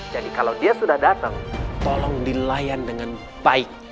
jadi kalau dia sudah datang tolong dilayan dengan baik